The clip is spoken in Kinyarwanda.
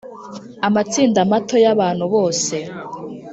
Amatsinda mato y abantu bose